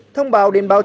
thông báo đến báo chí